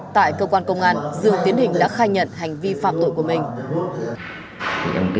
tại cơ quan công an dương tiến hình đã khai nhận hành vi phạm tội của mình